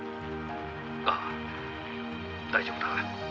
「ああ大丈夫だ。